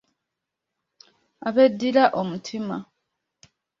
Abeddira omutima.